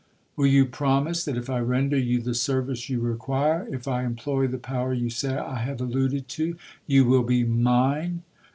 '—'Will you promise, that if I render you the service you require, if I employ the power you say I have alluded to, you will be mine?'